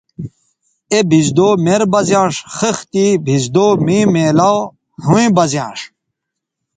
اے بھیزدو مر بہ زیانݜ خِختے بھیزدو مے میلاو ھویں بہ زیانݜ